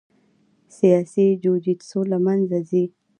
سیاسي جوجیتسو له منځه ځي.